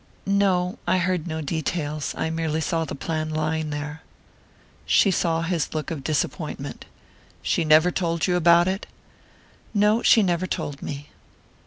"No, I heard no details. I merely saw the plan lying there." She saw his look of disappointment. "She never told you about it?" "No she never told me."